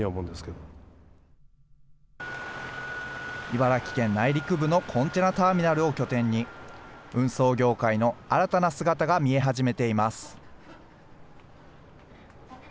茨城県内陸部のコンテナターミナルを拠点に、運送業界の新たな姿が見え始めています。